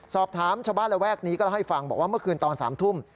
สอบถามชาวบ้านระแวกนี้ก็เล่าให้ฟังบอกว่าเมื่อคืนตอน๓ทุ่ม